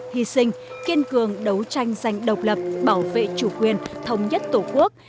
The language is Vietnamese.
hy sinh kiên cường đấu tranh giành độc lập bảo vệ chủ quyền thống nhất tổ quốc